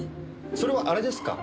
それはあれですか？